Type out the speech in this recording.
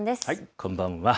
こんばんは。